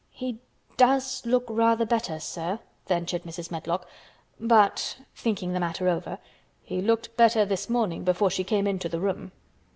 "He does look rather better, sir," ventured Mrs. Medlock. "But"—thinking the matter over—"he looked better this morning before she came into the room."